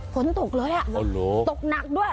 ฝนตกเลยอ่ะตกหนักด้วย